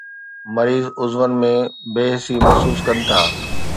مريض عضون ۾ بي حسي محسوس ڪن ٿا